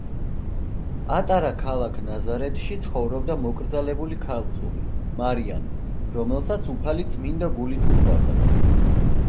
პატარა ქალაქ ნაზარეთში ცხოვრობდა მოკრძალებული ქალწული, მარიამი, რომელსაც უფალი წმინდა გულით უყვარდა.